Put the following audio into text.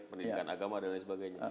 pendidikan agama dan lain sebagainya